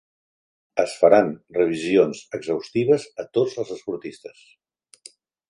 Es faran revisions exhaustives a tots els esportistes.